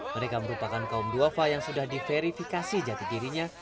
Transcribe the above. mereka merupakan kaum duafa yang sudah diverifikasi jati dirinya